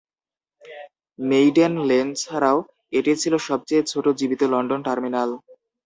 Maiden Lane ছাড়াও, এটি ছিল সবচেয়ে ছোট জীবিত লন্ডন টার্মিনাল।